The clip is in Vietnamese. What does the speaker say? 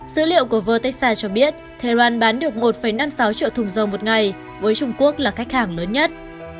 sữ liệu của vertexa cho biết tehran bán được một năm mươi sáu triệu thùng dầu một ngày với trung quốc là khách hàng lớn nhất